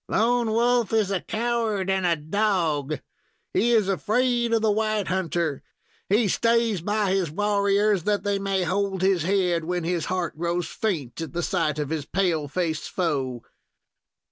"Lone Wolf is a coward and a dog! He is afraid of the white hunter! He stays by his warriors, that they may hold his head when his heart grows faint at sight of his pale face foe."